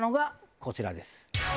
こちらです。